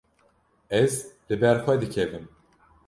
Ez li ber dikevim.